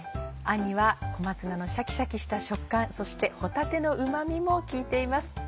あんには小松菜のシャキシャキした食感そして帆立のうま味も効いています。